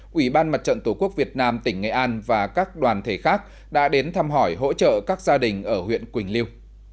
quỹ ban mặt trận tổ quốc việt nam tỉnh nghệ an và các đoàn thể khác đã đến thăm hỏi hỗ trợ các gia đình ở huyện quỳnh liêu